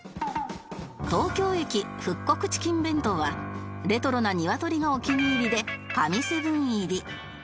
東京駅復刻チキン弁当はレトロな鶏がお気に入りで紙７入り